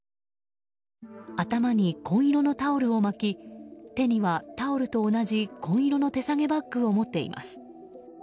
頭に紺色のタオルを巻き手にはタオルと同じ紺色の手提げバッグを持っています。